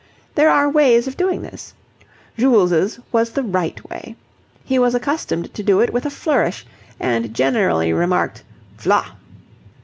There are ways of doing this. Jules' was the right way. He was accustomed to do it with a flourish, and generally remarked "V'la!"